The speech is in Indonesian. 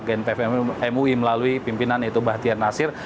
pihak gmpf mui melalui pimpinan yaitu bahtiyar nasir